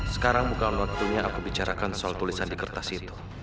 sekarang bukan waktunya aku bicarakan soal tulisan di kertas itu